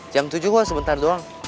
jam tujuh kok sebentar doang